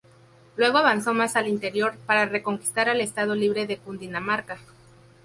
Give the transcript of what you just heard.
Luego avanzó más al interior, para reconquistar al Estado Libre de Cundinamarca.